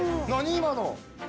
今の。